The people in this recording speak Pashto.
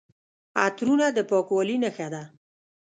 عطرونه د پاکوالي نښه ده.